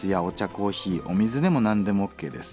コーヒーお水でも何でもＯＫです。